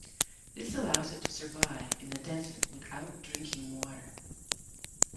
This allows it to survive in the desert without drinking water.